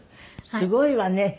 すごいわね。